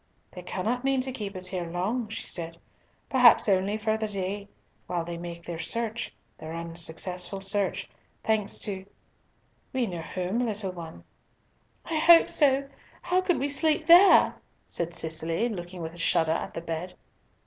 "They cannot mean to keep us here long," she said; "perhaps only for the day, while they make their search—their unsuccessful search—thanks to—we know whom, little one." "I hope so! How could we sleep there?" said Cicely, looking with a shudder at the bed.